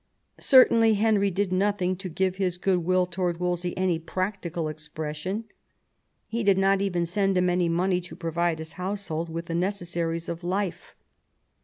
Certainly Henry did nothing to give his good will towards Wolsey any practical expression; he did not even send him any money to provide his household with the necessaries of life.